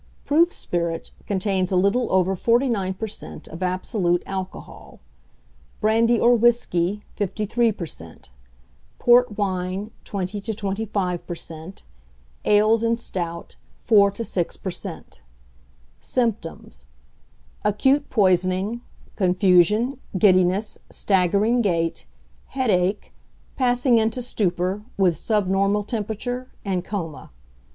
Proof spirit contains a little over 49 per cent. of absolute alcohol; brandy or whisky, 53 per cent.; port wine, 20 to 25 per cent.; ales and stout, 4 to 6 per cent. Symptoms. Acute poisoning; confusion, giddiness, staggering gait, headache, passing into stupor, with subnormal temperature, and coma.